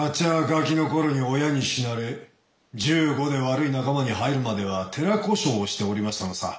ガキの頃に親に死なれ１５で悪い仲間に入るまでは寺小姓をしておりましたのさ。